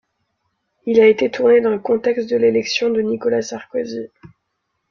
Il a été tourné dans le contexte de l'élection de Nicolas Sarkozy.